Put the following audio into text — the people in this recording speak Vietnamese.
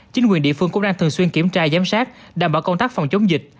chính quyền địa phương cũng đang thường xuyên kiểm tra giám sát đảm bảo công tác phòng chống dịch